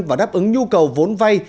và đáp ứng nhu cầu vốn vay